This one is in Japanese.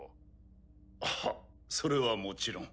はっそれはもちろん。